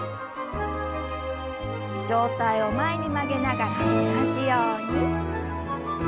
上体を前に曲げながら同じように。